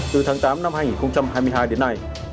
từ tháng tám năm hai nghìn hai mươi hai đến nay